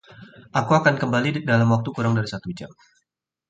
Aku akan kembali dalam waktu kurang dari satu jam.